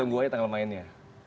tunggu aja tanggal mainnya